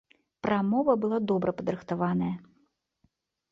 Прамова была добра падрыхтаваная.